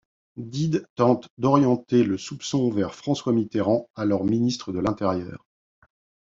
Dides tente d'orienter le soupçon vers François Mitterrand, alors Ministre de l'Intérieur.